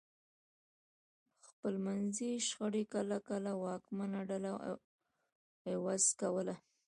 خپلمنځي شخړې کله کله واکمنه ډله عوض کوله.